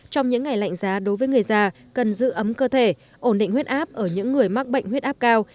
trong những ngày lạnh giá đối với người già cần giữ ấm cơ thể ổn định huyết áp ở những người mắc bệnh huyết áp cao